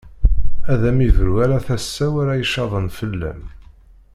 Ad am-ibru ala tasa-w ara icaḍen fell-am.